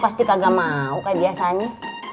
pasti kagak mau kayak biasanya